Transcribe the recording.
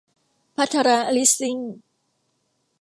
ภัทรลิสซิ่ง